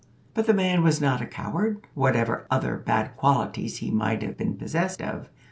But the man was not a coward, whatever other bad qualities he might have been possessed of.